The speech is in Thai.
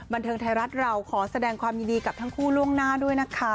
บันเทิงไทยรัฐเราขอแสดงความยินดีกับทั้งคู่ล่วงหน้าด้วยนะคะ